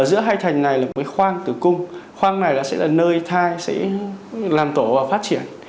với khoang tử cung khoang này là nơi thai sẽ làm tổ và phát triển